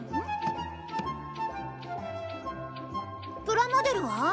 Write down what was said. プラモデルは？